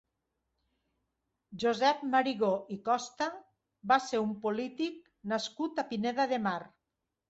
Josep Marigó i Costa va ser un polític nascut a Pineda de Mar.